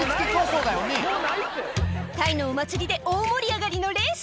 タイのお祭りで大盛り上がりのレース。